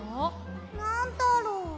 なんだろ？